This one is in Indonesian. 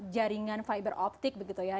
jaringan fiber optic begitu ya